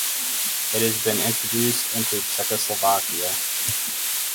It has been introduced into Czechoslovakia.